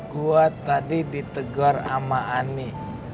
gue tadi ditegor sama ani